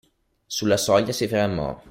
Sulla soglia si fermò.